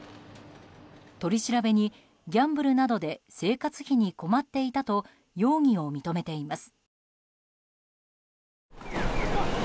取り調べに、ギャンブルなどで生活費に困っていたと容疑を認めています。